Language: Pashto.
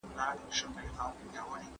زما ورور د خپلې دندې لپاره یو نوی بکس واخیست.